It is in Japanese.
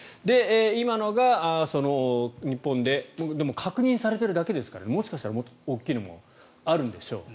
今のが日本ででも確認されているだけですからもしかしたらもっと大きいのもあるんでしょう。